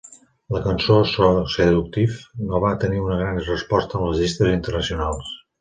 La cançó "So Seductive" no va tenir una gran resposta en les llistes internacionals.